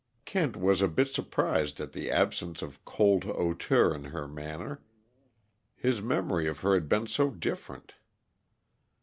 Kent was a bit surprised at the absence of cold hauteur in her manner; his memory of her had been so different.